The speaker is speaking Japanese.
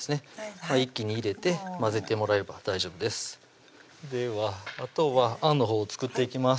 一気に入れて混ぜてもらえば大丈夫ですではあとはあんのほうを作っていきます